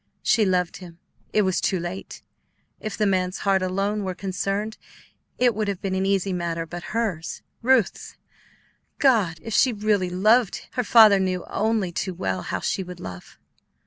She loved him; it was too late. If the man's heart alone were concerned, it would have been an easy matter; but hers, Ruth's. God! If she really loved, her father knew only too well how she would love.